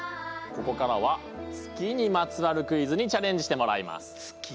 ここからは月にまつわるクイズにチャレンジしてもらいます。